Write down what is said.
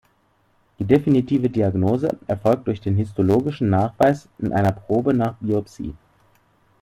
Die definitive Diagnose erfolgt durch den histologischen Nachweis in einer Probe nach Biopsie.